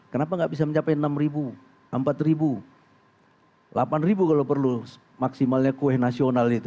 kenapa nggak bisa mencapai enam ribu empat delapan ribu kalau perlu maksimalnya kue nasional itu